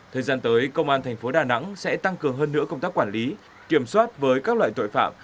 thời gian tới công an thành phố đà nẵng sẽ tăng cường hơn nữa công tác quản lý kiểm soát với các loại tội phạm